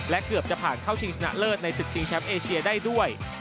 และเกือบจะผ่านเข้าชิงชนะเลิศในศึกชิงแชมป์เอเชียได้ด้วย